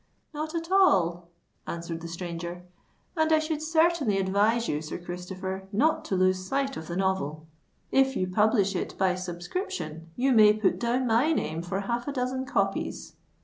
"Not at all," answered the stranger; "and I should certainly advise you, Sir Christopher, not to lose sight of the novel. If you publish it by subscription, you may put down my name for half a dozen copies."